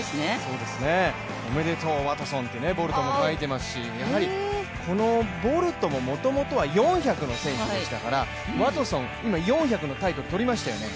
「おめでとうワトソン」とボルトも書いてますしやはりこのボルトももともとは４００の選手でしたから、ワトソン、今、４００のタイトル取りましたよね。